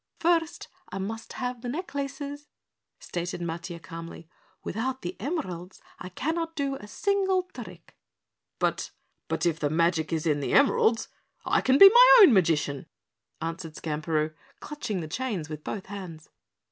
"First I must have the necklaces," stated Matiah calmly. "Without the emeralds I cannot do a single trick." "But but if the magic is in the emeralds, I can be my own magician," answered Skamperoo, clutching the chains with both hands.